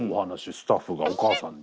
スタッフがお母さんに。